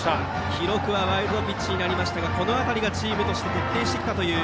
記録はワイルドピッチになりましたがこの辺りがチームとして徹底してきたという